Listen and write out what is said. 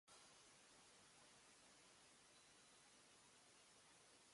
任期を終えた貫之は、帰途、船で大阪から淀川をのぼって、